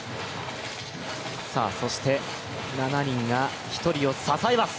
そして、７人が１人を支えます。